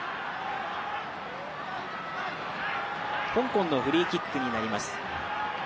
香港のフリーキックになります。